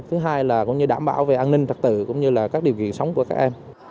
thứ hai là cũng như đảm bảo về an ninh trật tự cũng như là các điều kiện sống của các em